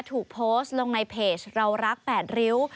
ถูกโพสต์ในเพจเรารักแปดริ๊ว